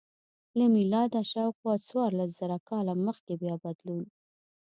له میلاده شاوخوا څوارلس زره کاله مخکې بیا بدلون و